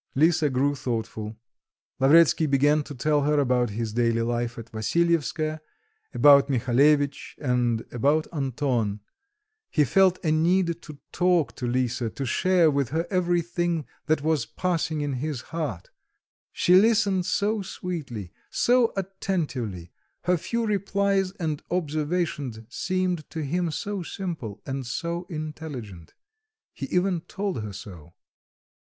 Lisa grew thoughtful. Lavretsky began to tell her about his daily life at Vassilyevskoe, about Mihalevitch, and about Anton; he felt a need to talk to Lisa, to share with her everything that was passing in his heart; she listened so sweetly, so attentively; her few replies and observations seemed to him so simple and so intelligent. He even told her so.